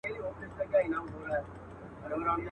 د اباسین څپې دي یوسه کتابونه.